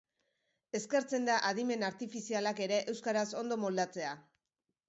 Eskertzen da Adimen Artifizialak ere euskaraz ondo moldatzea.